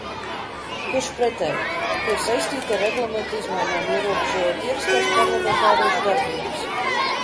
Tieši pretēji, tie ir saistīti ar Reglamenta izmaiņām, ierobežojot ierastās parlamentāriešu darbības.